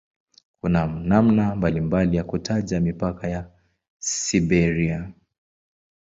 Kuna namna mbalimbali ya kutaja mipaka ya "Siberia".